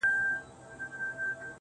که تاسي د خلکو د لومړي نوم پر ځای